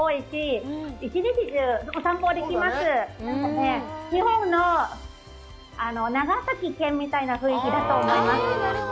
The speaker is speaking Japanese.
日本の長崎県みたいな雰囲気だと思います。